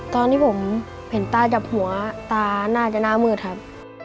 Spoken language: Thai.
ตอนที่ผมเห็นตาจับหัวตาน่าจะหน้ามืดครับ